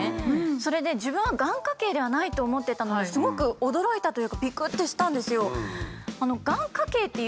それで自分はがん家系ではないと思ってたのですごく驚いたというかびくってしたんですよ。